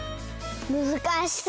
むずかしそう！